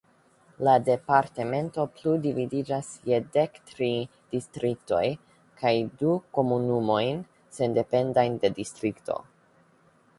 La departemento plu dividiĝas je dek tri distriktoj kaj du komunumojn sendependajn de distrikto.